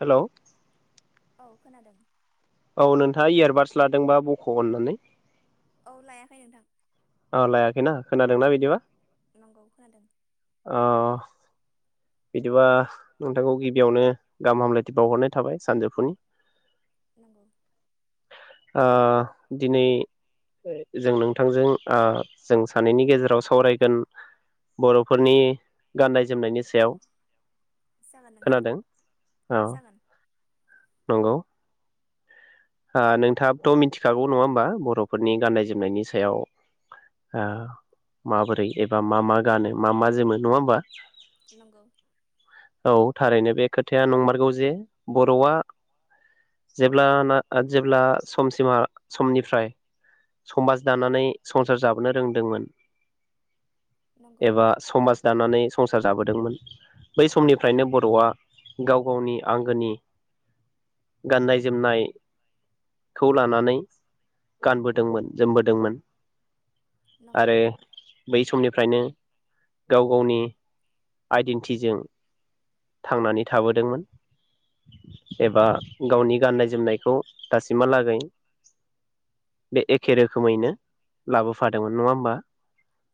Hello औ खोनादों। औ नोंथाङा इयारबादस लादोंबा बख' अननानै औ लायाखै नोंथां औ लायाखैना खोनादोंना बिदिबा नंगौ खोनादों अ बिदिबा नोंथांखौ गिबियावनो गाहाम हामलायथि बावहरनाय थाबाय सानजौफुनि। नंगौ ओ दिनै जों नोंथांजों ओ जों सानैनि गेजेराव सावरायगोन बर'फोरनि गाननाय जोमनायनि सायाव जागोन नोंथां खोनादों औ जागोन। नंगौ। ओ नोंथाङाबाथ' मिथिखागौ नङा ओमबा बर'फोरनि गाननाय जोमनायनि सायाव ओ माबोरै एबा मा मा गानो मा मा जोमो नङा ओमबा? नंगौ औ थारैनो बे खोथाया नंमारगौ जे बर'आ जेब्ला ना जेब्ला समसिमा समनिफ्राय समाज दानानै संसार जाबोनो रोंदोंमोन नंगौ एबा समाज दानानै संसार जाबोदोंमोन। बै समनिफ्रायनो बर'आ गाव गावनि आंगोनि गाननाय जोमनाय खौ लानानै गानबोदोंमोन जोमबोदोंमोन। नंगौ आरो बै समनिफ्रायनो गाव गावनि आइदिनति जों थांनानै थाबोदोंमोन एबा गावनि गाननाय जोमनायखौ दासिमहालागै बे एखे रोखोमैनो लाबोफादोंमोन नङा ओमबा?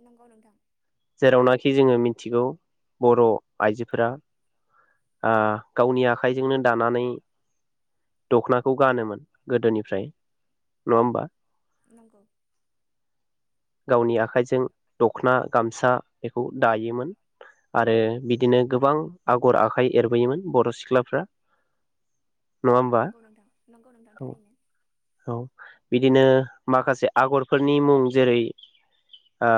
नंगौ नोंथां जेरावनाखि जोङो मि थिगौ बर' आइजोफोरा आ गावनि आखाइजोंनो दानानै दख'नाखौ गानोमोन गोदोनिफ्राय नङा ओमबा? नंगौ। गावनि आखाइजों दखना गामसा बेखौ दायोमोन आरो बि दिनो गोबां आगर आखाइ एरबोयोमोन बर' सिख्लाफ्रा। नङा होमबा नंगौ नोंथां नंगौ नोंथां औ थारैनो। औ बिदिनो माखासे आगरफोरनि मुं जेरै ओ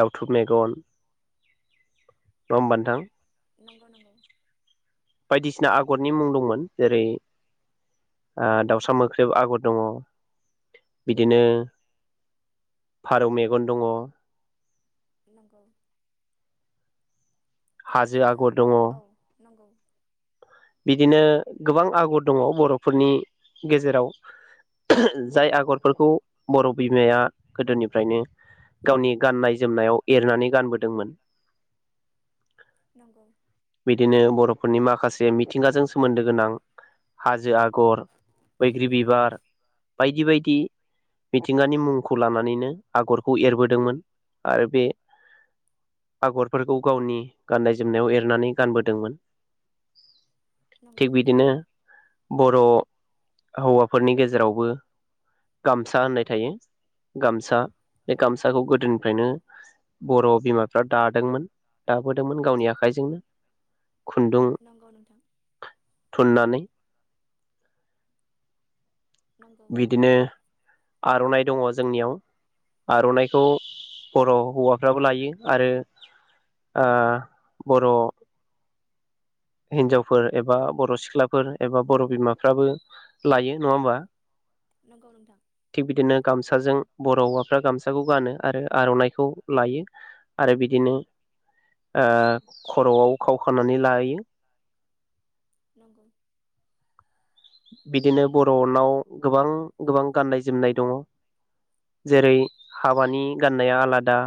दाउथु मेगन नङा होमबा नोंथां? नंगौ नगौ। बायदिसिना आगरनि मुं दंमोन जेरै ओ दाउसा मोख्रेब आगर दङ बिदिनो फारौ मेगन दङ। नंगौ हाजो बेबादिनो आगर दङ औ नंगौ। बिदिनो गोबां आगर दङ बर'फोरनि गेजेराव जाय आगरफोरखौ बर' बिमाया गोदोनिफ्रायनो गावनि गाननाय- जोमनायाव एरनानै गानबोदोंमोन नंगौ बिदिनो बर'फोरनि माखा बे मिथिंगाजों सोमोन्दो गोनां हाजो आगर बैग्रि बिबार बायदि बायदि मिथिंगानि मुंखौ लानानैनो आगरखौ एरबोदोंमोन आरो बे आगरफोरखौ गावनि गाननाय जोमनायाव एरनानै गानबोदोंमोन। नंगौ थिग बिदिनो बर' हौवाफोरनि गेजेरावबो गामसा होननाय थायो गामसा बे गामसाखौ गोदोनिफ्रायनो बर' बिमाफ्रा दादोंमोन दाबोदोंमोन गावनि आखाइजोंनो खुन्दुं नंगौ नोंथां। थुननानै नंगौ बिदिनो आर'नाइ दङ जोंनियाव आर'नाइखौ बर' हौवाफ्राबो लायो आरो ओ बर' हिनजावफोर एबा - बर' सिख्लाफोर एबा बर' बिमाफ्राबो लायो नङा होमबा नंगौ नोंथां थिग बिदिनो गामसाजों बर' हौवाफ्रा गामसाखौ गानो आरो आर'नाइखौ लायो आरो बिदिनो ओ खर'आव खावखानानै लायो। नंगौ बिदिनो बर'नाव गोबां गोबां गाननाय जोमनाय दङ जेरै हाबानि गाननाया आलादा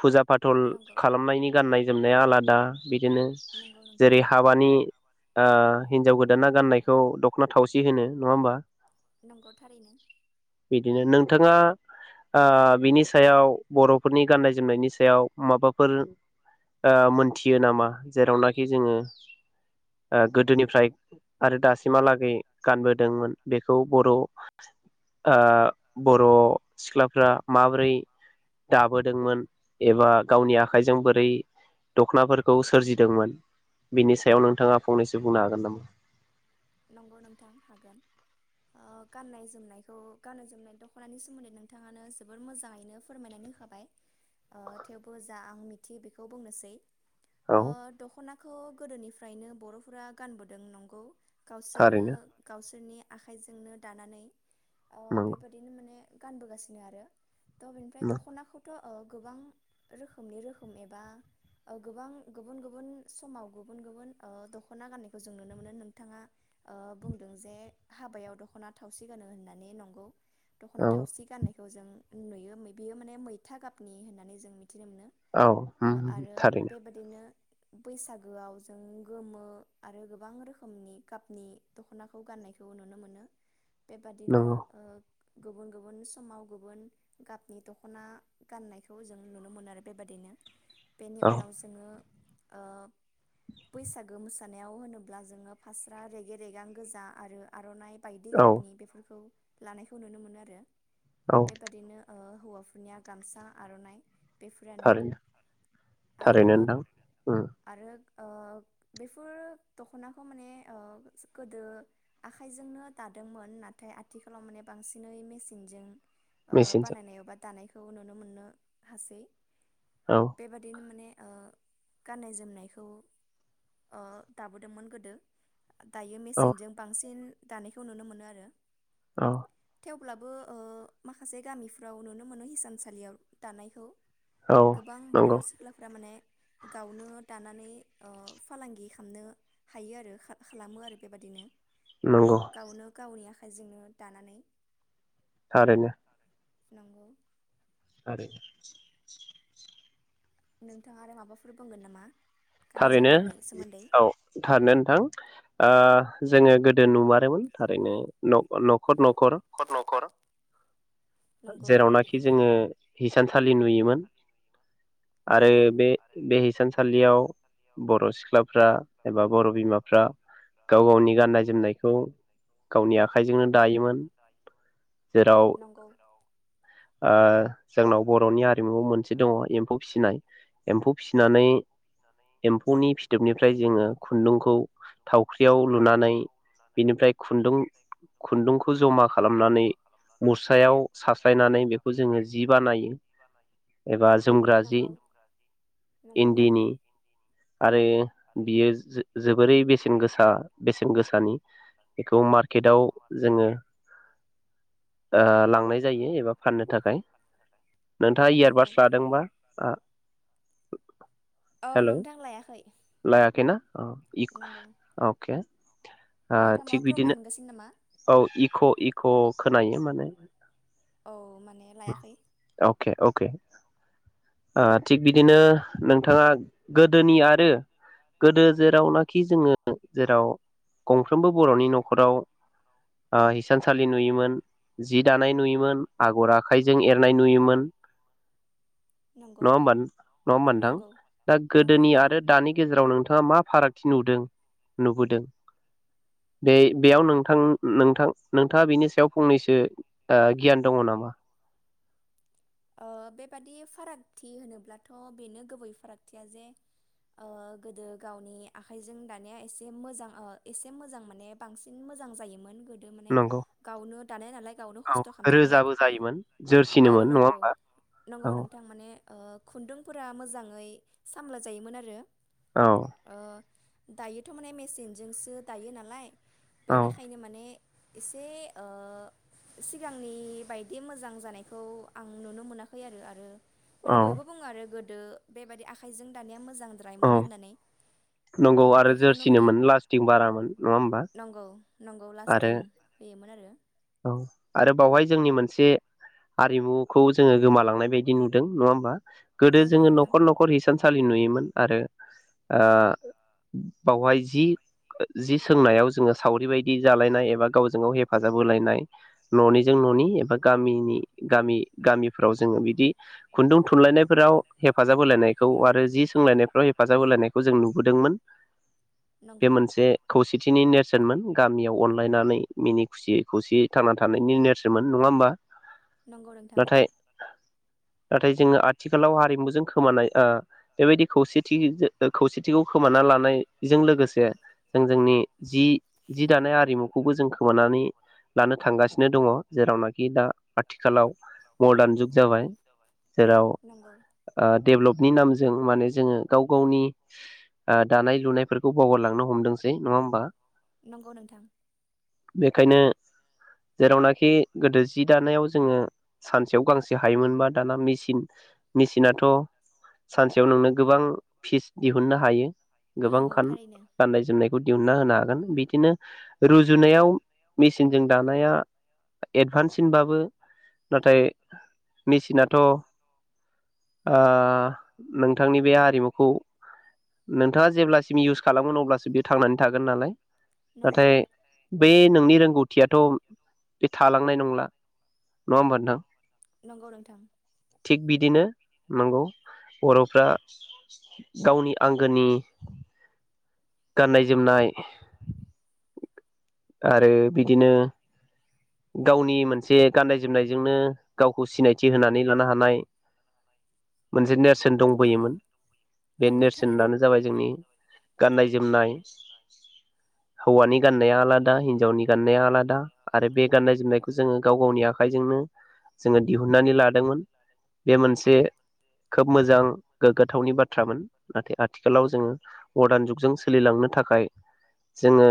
फुजा फाथल नंगौ खालामनायनि गाननाय जोमनाया आला दा बिदिनो नंगौ नोंथां जेरै हाबानि ओ हिनजाव गोदाना गाननायखौ दख'ना थावसि होनो नङा होमबा?? नंगौ थारैनो थाङा ओ बिनि सायाव बर'फोरनि- गाननाय जोमनायनि सायाव माबाफोर ओ मोनथियो नामा जेरावनाखि जोङो ओ गोदोनिफ्राय आरो दासिमहालागै गानबोदोंमोन बेखौ बर' ओ बर' सिख्लाफ्रा माबोरै दा दाबोदोंमोन एबा गावनि आखाइजों बोरै दख'नाफोरखौ सोरजिदोंमोन बिनि सायाव नोंथाङा फंनैसो बुंनो हागोन नामा? नंगौ नोंथां हागोन ओ गाननाय जोमनायखौ गाननाय जोमनाय दख'नानि सोमोन्दै नोंथाङानो जोबोर मोजाङै नो फोरमायनानै होखाबाय ओ थेवबो जा आं मिथियो बेखौ बुंनोसै ओ औ दख'ना खौ गोदोनिफ्रायनो बर'फोरा गानबोदों नंगौ। गावसोरनो थारैनो गावसोरनि आखाइजोंनो दानानै ओ नंगौ बेबायदिनो माने गानबोगासिनो आरो। थ' बेनिफ्राय दख'नाखौथ' ओ गोबां रोखोमनि रोखोम एबा ओ गोबां गुबुन गुबुन समाव गुबुन गुबुन ओ दख'ना गाननायखौ जों नुनो मोनो। नोंथाङा ओ बुंदों जे हाबायाव दख'ना थावसि गानो होननानै नंगौ। दख'ना औ थावसि गाननाय खौ जों नुयो। बेयो माने मैथा गाबनि होननानै जों मि थिनो मोनो ओ औ आरो थारैनो बेबादिनो बैसागोआव जों गोमो आरो गोबां रोखोमनि गाबनि दख'नाखौ गाननायखौ नुनो मोनो। बेबादिनो नंगौ ओ गुबुन गुबुन समाव गुबुन गाबनि दख'ना गाननायखौ जों नुनो मोनो आरो बेबादिनो। बेनि औ उनाव जोङो ओ बैसागो मोसानायाव होनोब्ला जोङो फास्रा रेगे-रेगां गोजा आरो आर'नाइ बायदि औ गाबनि बेफोरखौ लानायखौ नुनो मोनो आरो। औ बेबादिनो ओ हौवाफोरनिया गामसा आर'नाइ बेफोरानो थारैनो आरो थारैनो नोंथां उम आरो ओ बेफोर दख'नाखौ माने ओ गोदो आखाइजोंनो दादोंमोन नाथाय आथिखालाव माने बांसिनै मेसिनजों मेसिनजों गोबां दानायखौ नुनो मोननो हासै। औ बेबादिनो माने ओ गाननाय जोमनायखौ ओ दाबोदोंमोन गोदो। दायो औ मेसिनजों बांसिन दानायखौ नुनो मोनो आरो। अ। थेवब्लाबो ओ माखासे गामिफ फोराव नुनो मोनो हिसानसालियाव दानायखौ। औ गोबां बर' नंगौ सिख्लाफ्रा माने गावनो दानानै ओ फालांगि खालामनो हायो आरो खा खालामो आरो बेबादिनो। नंगौ गावनो गावनिया जोंनो दानानै। थारैनो नंगौ। आरो नोंथाङा आरो माबाफोर बुंगोन नामा? गाननाय थारैनो जोमनायनि सोमोन्दै औ थारैनो नोंथां ओ जोङो गोदो नुमारोमोन थारैनो नग नग न'खर न'खर नंगौ जेरावनाखि जोङो हिसान खालि नुयोमोन आरो नंगौ बे बे हिसानसालियाव बर' सिख्ला फ्रा एबा बर' बिमाफ्रा गाव गावनि गाननाय जोमनायखौ गावनि आख खाइजोंनो दायोमोन जेराव नंगौ ओ जोंनाव बर'नि आरिमुआव मोनसे दङ एम्फौ फिसिनाय एम्फौ फिसिनानै एम्फौनि फिथोबनिफ्राय जोङो खुन्दुंखौ थाव ख्रियाव लुनानै बिनिफ्राय खुन्दुं खुन्दुंखौ जमा खालामनानै मुस्रायाव सास्लायनानै बेखौ जोङो जि बानायो एबा जोमग्रा जि नंगौ नंगौ नोंथां इन्दिनि आरो बियो जो-जोबो बोरै बेसेन गोसा बेसेन गोसानि बेखौ मार्केटाव जोङो ओ लांनाय जायो एबा फाननो थाखाय नोंथाङा नंगौ इयारबादस लादोंबा ओ औ हेल' नोंथां लायाखै लायाखि ना अ नंगौ अके नोंथाङा थिग माबा बिदिनो प्रब्लेम मोनगासिनो नामा? औ इक' इक' खोनायो माने औ माने लायाखै अके ओ थिग बिदिनो नोंथाङा गोदोनि आरो गोदो जेरावनाखि जोङो जेराव गंफ्रोमबो बर'नि न'खराव ओ हिसानसालि नुयोमोन जि दानाय नुयोमोन आगर आखाइजों एरनाय नुयोमोन नंगौ नङा होमबा नङाबा नोंथां नंगौ दा नंगौ गोदोनि नोंथां आरो दानि गेजेराव नोंथाङा मा फारागथि नदों नुबोदों बे बेयाव नोंथां नोंथां नोंथाङा बिनि सायाव फंनैसो ओ गियान दङ नामा? ओ बेबादि फारागथि होनोब्लाथ' बेनो गुबै फारागथिया जे ओ गोदो गावनि आखाइजों दानाया एसे मोजां ओ एसे मोजां माने बांसिन मोजां जायोमोन। गोदो माने नंगौ। गावनो दानाय नालाय गावनो औ खस्थ' खालामनानै रोजाबो जायोमोन औ जोरसिनोमोन नङा नंगौ। होमबा? औ नंगौ नोंथां माने ओ खुन्दुंफोरा मोजाङै सामला जायोमोन आरो औ ओ दायोथ' माने मेसिनजोंसो दायो नालाय औ बेनिखायनो माने एसे ओ सिगांनि बायदि मोजां जानायखौ आं आं नुनो मोनाखै आरो आरो माने औ बयबो बुङो आरो बेबायदि आखायजों दानाय औ मोजांद्रायमोन होननानै। नंगौ ओ आरो बेखौनो माने जोरसिनोमोन लास्टिं बारामोन नङा होमबा। नंगौ नंगौ आरो लास्टिं होयोमोन आरो। औ आरो बावहाय जोंनि मोनसे आरिमुखौ जोङो गोमालांनाय बायदि नुदों नङा होमबा। गोदो नंगौ जोङो नोंथां नखर न'खर हिसान सालि नुयोमोन आरो ओ बावहाय जि सोंनायाव जोङो सावरि बायदि दि जालायनाय एबा गावजों गाव हेफाजाब होलायनाय न'निजों न'नि एबा गामिनि गामि गामिफोराव जोङो बिदि खुन्दुं थुनलायनायफोराव हेफाजाब होलायनायखौ आरो जि सोंलायनायफ्राव हेफाजाब होलायनायखौ जों नुबोदोंमोन। बे नंगौ मोनसे खौसेथिनि नेरसोन। जोमोन। गामियाव अनलायनानै मिनि खुसियै खौसेयै थांना थानायनि नेरसोमोन मोन नङा होमबा। नंगौ नोंथां। नाथाय नाथाय जोङो आथिखालाव हारिमुजों खोमानाय बेबायदि खौसेथिजों खौसेथिखौ खोमाना लानायजों लोगोसे जों जोंनि जि जि दानाय आरिमुखौबो जों खोमानानै लानो थांगासिनो दङ जेरावनाखि दा आथिखालाव मदार्न जुग जाबाय जेराव नंगौ डेभ्लपनि नामजों माने जोङो गाव गावनि दानाय लुनायफोरखौ बावगारलांनो हमदोंसै नङा होमबा। नंगौ नोंथां। बेखायनो जेरावनाखि गोदो जि दानायाव जोङो सानसेयाव गांसे हायोमोनबा दाना मेसिन मेसिनाथ' सानसेयाव नोंनो गोबां फिसा दिहुननो हायो। गोबां नंगौ थारैनो गाननाय जोमनायखौ दिहुनना होनो हागोन बि। बिदिनो रुजुनायाव मेसिनजों दानाया एडभान्ससिनबाबो नाथाय मेसिनाथ' ओ नोंथांनि बे आरिमुखौ नोंथाङा जेब्लासिम इउस खालामगोन अब्लासम बेयो थांनानै थागोन नालाय। नंगौ नाथाय बे नोंनि रोंगौथि खुथियाथ' बे थालांनाय नंला नङा होमबा नोंथां। नंगौ नोंथां। थिग बिदिनो नंगौ बर'फ्रा गावनि आंगोनि गाननाय जोमनाय आरो बिदिनो गावनि मोनसे गाननाय जोमनायजोंनो गावखौ सिनायथि होनानै लानो हानाय मोनसे नेरसोन नंगौ दंबोयोमोन बे नंगौ थारैनो नेरसोनानो जाबाय जोंनि गाननाय। नाय हौवानि गाननाया आलादा और हिनजावनि गाननाया आलादा आरो बे गाननाय जोमनायखौ जोङो गाव गावनि आखाइजोंनो जोङो दिहुननानै लादोंमोन बे मोनसे खोब मोजां गोग्गाथावनि बाथ्रामोन नाथाय आथिखालाव जोङो मडार्न जुगजों सोलिलांनो थाखाय जोङो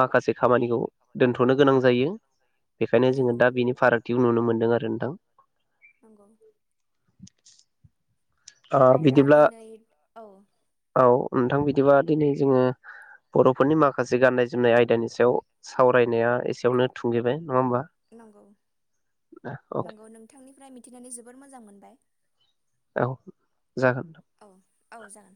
माखासे खामानिखौ दोनथ'नो गोनां जायो। बेखायनो जोङो नंगौ दा बिनि फारागथिखौ नुनो मोन्दों आरो नोंथां। नंगौ ओ अब्ला बिदिब्ला दिनै औ ओनथां बिदिबा दिनै जोङो बर'फोरनि माखासे गाननाय जोमनाय आयदानि सायाव सावरायनाया एसेयावनो थुंगेबाय। नङा होमबा नंगौ अके नंगौ नोंथांनिफ्राय मिथिनानै जोबोर मोजां मोनबाय। औ जागोन। औ औ जा